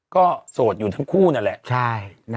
ก็โสดอยู่ทั้งคู่นั่นแหละ